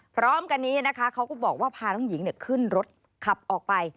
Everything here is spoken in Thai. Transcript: พร้อมกันนี้นะคะเขาก็บอกว่าพาน้องหญิงขึ้นรถขับออกไป